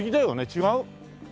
違う？